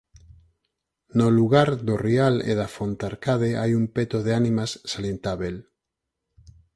No lugar do Rial e da Fontarcade hai un peto de ánimas salientábel.